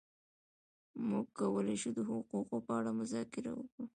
موږ کولای شو د حقوقو په اړه مذاکره وکړو.